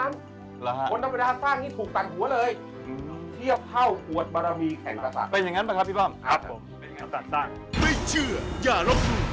นั้นเป้าหมาย